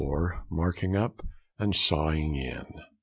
MARKING UP AND SAWING IN.